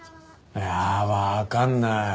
いやあわかんない。